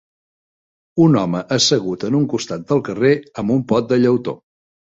Un home assegut en un costat del carrer amb un pot de llautó